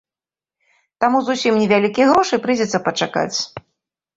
Таму зусім невялікіх грошай прыйдзецца пачакаць.